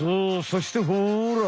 そしてほら！